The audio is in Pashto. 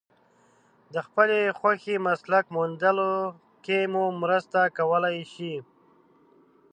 د خپلې خوښې مسلک موندلو کې مو مرسته کولای شي.